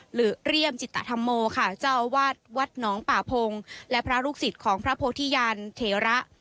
หรือเรียมจิตธรรมโมค่ะเจ้าอาวาสวัดหนองป่าพงและพระลูกศิษย์ของพระโพธิยันเถระ